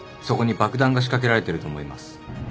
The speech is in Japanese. そこに爆弾が仕掛けられてると思います。